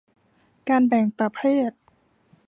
การแบ่งประเภท